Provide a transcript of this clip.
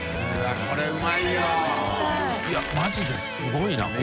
いマジですごいなここ。